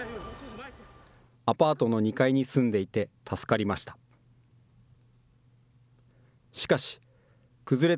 アパートの２階に住んでいて、助かりました。